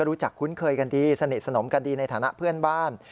คุ้นเคยกันดีสนิทสนมกันดีในฐานะเพื่อนบ้าน